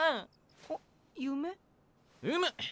うむ！